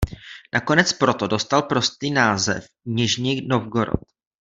Nakonec proto dostal prostý název Nižnij Novgorod.